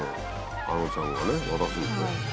あのちゃんがね渡すのね。